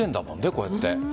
こうやって。